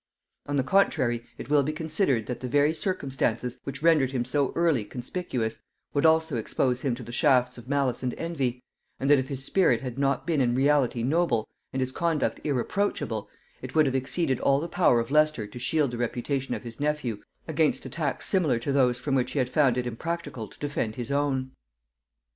On the contrary, it will be considered, that the very circumstances which rendered him so early conspicuous, would also expose him to the shafts of malice and envy; and that if his spirit had not been in reality noble, and his conduct irreproachable, it would have exceeded all the power of Leicester to shield the reputation of his nephew against attacks similar to those from which he had found it impracticable to defend his own.